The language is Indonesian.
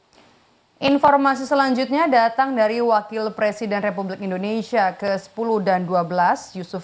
hai informasi selanjutnya datang dari wakil presiden republik indonesia ke sepuluh dan dua belas yusuf